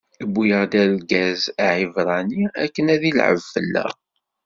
iwwi-yaɣ-d argaz Aɛibṛani akken ad ilɛeb fell-aɣ.